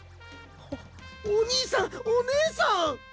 おにいさんおねえさん！